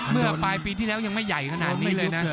เมื่อปลายปีที่แล้วยังไม่ใหญ่ขนาดนี้เลยนะ